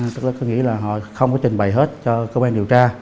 tức là nghĩ là họ không có trình bày hết cho công an điều tra